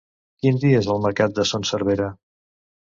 Quin dia és el mercat de Son Servera?